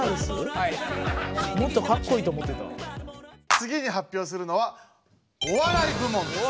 つぎに発表するのはお笑い部門です！